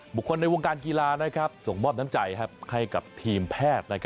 คนในวงการกีฬาส่งมอบน้ำใจให้กับทีมแพทย์